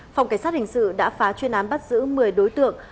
phòng cảnh sát hình sự đã phá chuyên án bắt giữ một mươi đối tượng